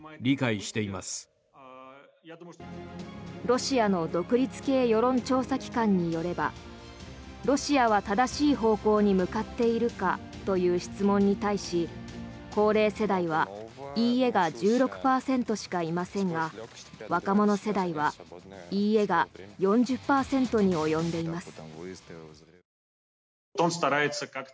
ロシアの独立系世論調査機関によればロシアは正しい方向に向かっているかという質問に対し高齢世代はいいえが１６％しかいませんが若者世代はいいえが４０％に及んでいます。